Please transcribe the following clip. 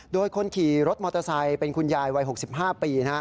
โดยคนขี่รถมอเตอร์ไซค์เป็นคุณยายวัย๖๕ปี